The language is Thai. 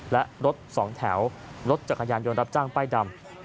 และรถสองแถวรถจักรยานยนต์รับจ้างป้ายดำ